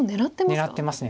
狙ってます。